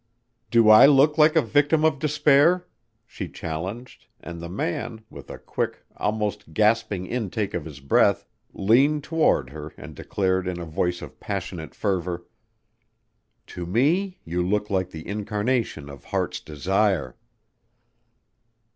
"Do I look like a victim of despair?" she challenged and the man, with a quick, almost gasping intake of his breath, leaned toward her and declared in a voice of passionate fervor, "To me you look like the incarnation of heart's desire."